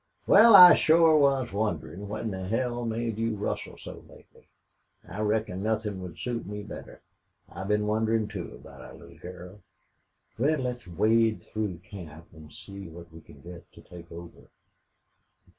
"Wal, I shore was wonderin' what in the hell made you rustle so lately. I reckon nothin' would suit me better. I've been wonderin', too, about our little girl." "Red, let's wade through camp and see what we can get to take over."